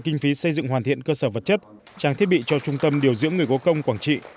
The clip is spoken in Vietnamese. kinh phí xây dựng hoàn thiện cơ sở vật chất trang thiết bị cho trung tâm điều dưỡng người có công quảng trị